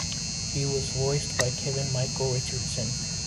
He was voiced by Kevin Michael Richardson.